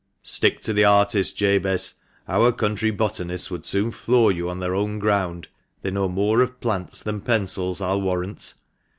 " Stick to the artist, Jabez ; our country botanists would soon floor you on their own ground — they know more of plants than pencils, I'll warrant."